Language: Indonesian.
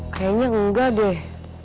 kayanya enggak deh